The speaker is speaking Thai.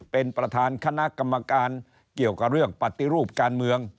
เป็นประธานคณะกรรมการเกี่ยวกับเรื่องปฏิรูปการเมือง